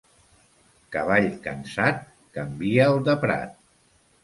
Cavall cansat, canvia'l de prat.